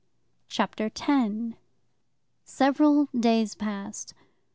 Chapter 10 Several days passed.